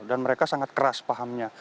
dan mereka sangat keras pahamnya